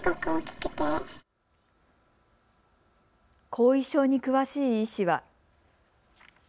後遺症に詳しい医師は。